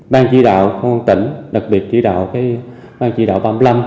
ban chỉ đạo phòng tỉnh đặc biệt chỉ đạo ban chỉ đạo ba mươi năm